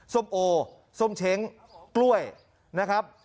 ส้มโอส้มเช้งกล้วยนะครับ